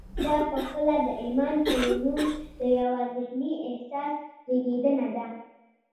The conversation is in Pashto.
دا پخپله د ایمان په نوم د یوه ذهني احساس زېږنده ده